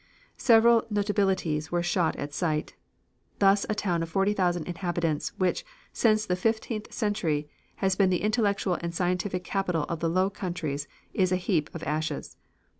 Several notabilities were shot at sight. Thus a town of 40,000 inhabitants, which, since the fifteenth century, has been the intellectual and scientific capital of the Low Countries is a heap of ashes.